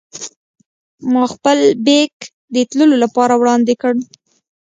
ما خپل بېک د تللو لپاره وړاندې کړ.